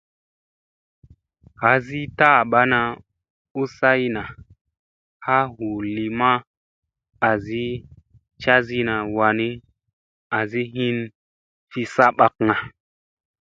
Hasi taaɓana u sayna haa hu li maa asi casina waani asi hin fi saɓakga.